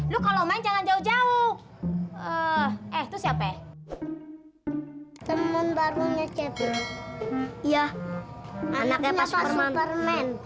juga jauh jauh jauh eh hoe eh tuh siapa eh temen barunya kipin iya anaknya comfyan dia ada superman boleh main nggak